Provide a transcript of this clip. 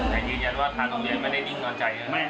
ในจริงว่าทางโรงเรียนไม่ได้นิ่งนอนใจนะครับ